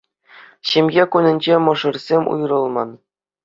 Ҫемье кунӗнче мӑшӑрсем уйрӑлман